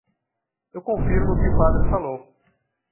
Eu confirmo o que o padre falou.